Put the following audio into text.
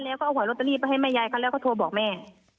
แล้วก็เอาขวัยรถตะลีไปให้แม่ยายกันแล้วก็โทรบอกแม่